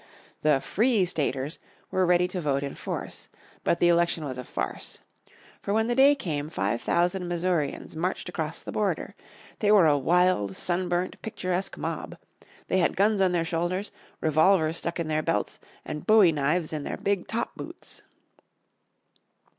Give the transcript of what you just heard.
The "Free Staters" were already to vote in force. But the election was a farce. For when the day came, five thousand Missourians marched across the border. They were a wild, sunburned, picturesque mob. They had guns on their shoulders, revolvers stuck in their belts and bowie knives in their big top boots.